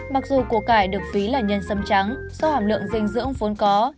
mặc dù củ cải được ví là nhân sâm trắng do hàm lượng dinh dưỡng vốn có